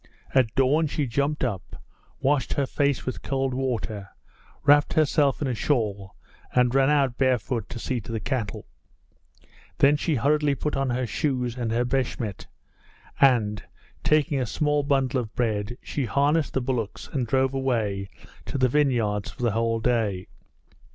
At dawn she jumped up, washed her face with cold water, wrapped herself in a shawl, and ran out barefoot to see to the cattle. Then she hurriedly put on her shoes and her beshmet and, taking a small bundle of bread, she harnessed the bullocks and drove away to the vineyards for the whole day.